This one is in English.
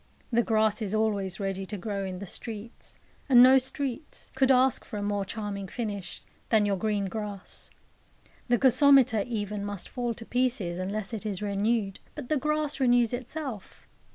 The grass is always ready to grow in the streets and no streets could ask for a more charming finish than your green grass. The gasometer even must fall to pieces unless it is renewed; but the grass renews itself.